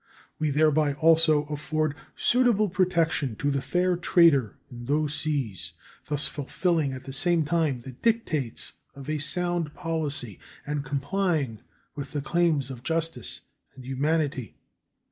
We thereby also afford suitable protection to the fair trader in those seas, thus fulfilling at the same time the dictates of a sound policy and complying with the claims of justice and humanity.